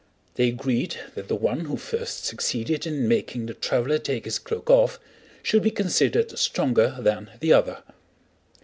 They agreed that the one who first succeeded in making the traveler take his cloak off should be considered stronger than the other.